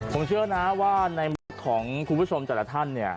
ผมเชื่อนะว่าในมุกของคุณผู้ชมแต่ละท่านเนี่ย